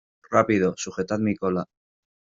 ¡ Rápido! ¡ sujetad mi cola !